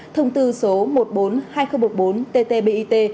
thông tư số một trăm bốn mươi hai nghìn một mươi bốn ttbit